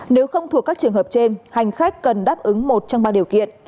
nếu không thuộc các trường hợp trên hành khách cần đáp ứng một trong ba điều kiện